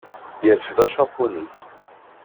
Yerfed acapun-is.